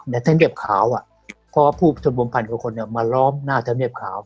ในเทคเนียมข่าวเพราะว่าผู้ทุนวงพันธุ์มาล้อมหน้าเทคเนียมข่าว